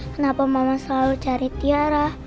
kenapa mama selalu cari tiara